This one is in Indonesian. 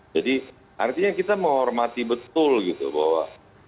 jadi artinya kita menghormati betul gitu bahwa